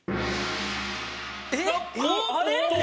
えっ⁉